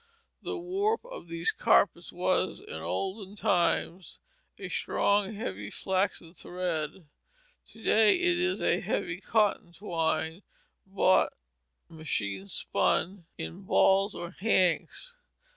The warp of these carpets was, in olden times, a strong, heavy flaxen thread. To day it is a heavy cotton twine bought machine spun in balls or hanks.